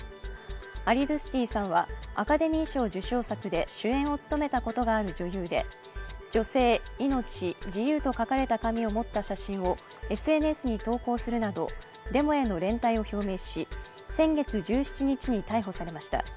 アリドゥスティさんはアカデミー賞受賞作で主演を務めたことのある女優で「女性・命・自由」と書かれた紙を持った写真をＳＮＳに投稿するなどデモへの連帯を表明し、先月１７日に逮捕されました。